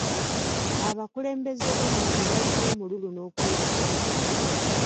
Abakulembeze b'ennono balina omululu n'okweyagaliza.